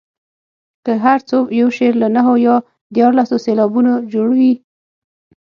که هر څو یو شعر له نهو او دیارلسو سېلابونو جوړ وي.